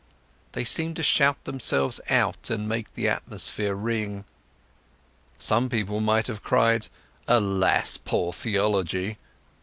They seemed to shout themselves out and make the atmosphere ring. Some people might have cried "Alas, poor Theology!"